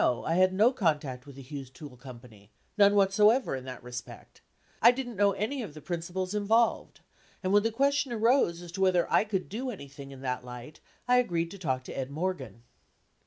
I had no contact with the Hughes Tool Co., none whatsoever in that respect. I didn't know any of the principals involved. And when the question arose as to whether I could do any thing in that light, I agreed to talk to Ed Morgan."